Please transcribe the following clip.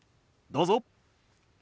どうぞ。